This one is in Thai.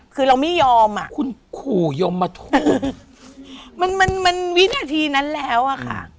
คือเราไม่ยอมอะมันวิญญาณทีนั้นแล้วอะค่ะ